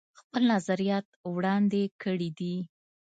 خپل نظريات وړاندې کړي دي